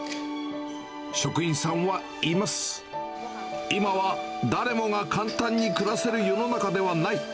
職員さんは言います、今は誰もが簡単に暮らせる世の中ではない。